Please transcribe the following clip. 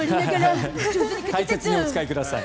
大切にお使いください。